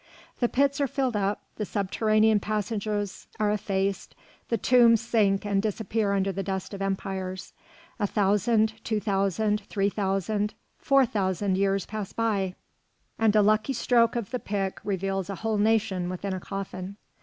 The pits are filled up, the subterranean passages are effaced, the tombs sink and disappear under the dust of empires. A thousand, two thousand, three thousand, four thousand years pass by, and a lucky stroke of the pick reveals a whole nation within a coffin.